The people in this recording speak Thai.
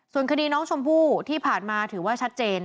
ส่วนคดีน้องชมพู่ที่ผ่านมาถือว่าชัดเจน